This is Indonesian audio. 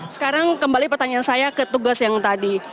sekarang kembali pertanyaan saya ke tugas yang tadi